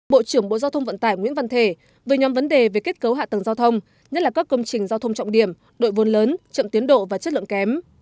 bộ trưởng bộ giao thông vận tải nguyễn văn thể về nhóm vấn đề về kết cấu hạ tầng giao thông nhất là các công trình giao thông trọng điểm đội vôn lớn chậm tiến độ và chất lượng kém